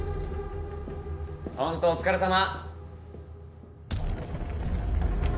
ホントお疲れさま！